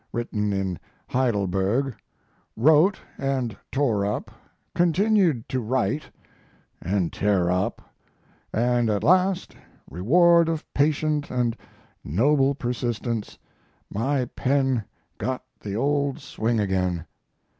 written in Heidelberg wrote and tore up, continued to write and tear up and at last, reward of patient and noble persistence, my pen got the old swing again!